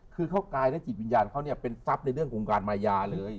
คือเขากายและจิตวิญญาณเขาเนี่ยเป็นทรัพย์ในเรื่องโครงการมายาเลย